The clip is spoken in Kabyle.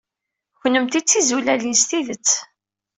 Kennemti d tizulalin s tidet.